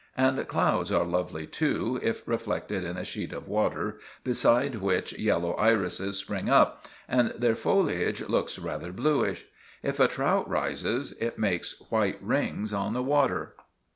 And clouds are lovely too, if reflected in a sheet of water beside which yellow irises spring up, and their foliage looks rather bluish. If a trout rises, it makes white rings on the water.